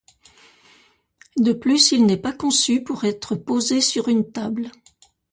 De plus, il n'est pas conçu pour être posé sur une table.